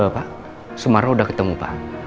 pak sumara udah ketemu pak